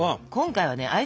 今回はね